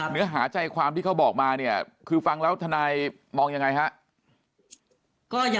เนื้อหาใจความที่เขาบอกมาเนี่ยคือฟังแล้วทนายมองยังไงฮะ